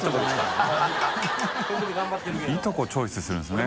いとこチョイスするんですね。